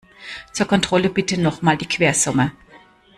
Zur Kontrolle bitte noch mal die Quersumme.